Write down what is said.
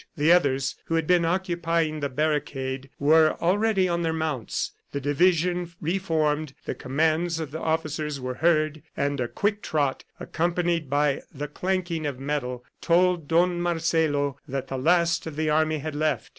The others who had been occupying the barricade were already on their mounts. The division reformed, the commands of the officers were heard and a quick trot, accompanied by the clanking of metal, told Don Marcelo that the last of the army had left.